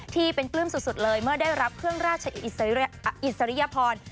ที่เป็นปลื้มสุดเลยเมื่อได้รับเครื่องราชอิสริยพร